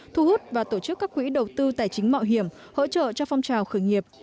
thu hút và tổ chức các quỹ đầu tư tài chính mạo hiểm hỗ trợ cho phong trào khởi nghiệp